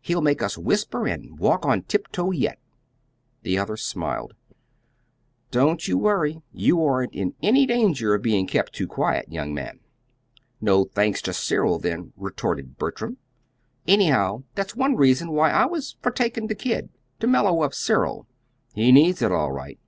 He'll make us whisper and walk on tiptoe yet!" The other smiled. "Don't you worry. You aren't in any danger of being kept too quiet, young man." "No thanks to Cyril, then," retorted Bertram. "Anyhow, that's one reason why I was for taking the kid to mellow up Cyril. He needs it all right."